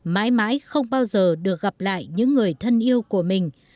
mãi mãi không bao giờ được gặp lại những người thân yêu của mình